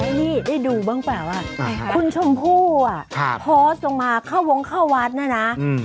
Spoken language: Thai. ให้พี่ได้ดูบ้างเปล่าว่าคุณชมพู่อ่ะโพสต์ลงมาเข้าวงเข้าวัดน่ะนะ